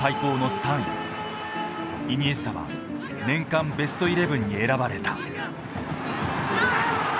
イニエスタは年間ベストイレブンに選ばれた。